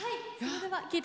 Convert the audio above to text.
はい！